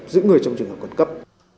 giữ người trong trường hợp còn cấp